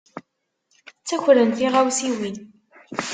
Ttakren tiɣawsiwin.